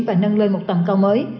và nâng lên một tầm cao mới